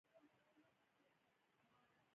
د خاورې معاینه پکار ده.